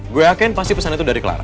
gue yakin pasti pesan itu dari clar